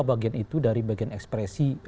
bagian itu dari bagian ekspresi